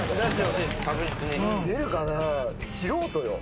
素人よ。